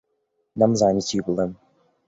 نەمزانی چی بڵێم.